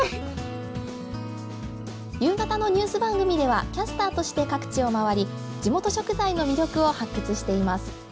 夕方のニュース番組ではキャスターとして各地を回り地元食材の魅力を発掘しています。